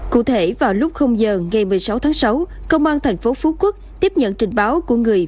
cụ thể vào lúc giờ ngày một mươi sáu tháng sáu công an thành phố phú quốc tiếp nhận trình báo của người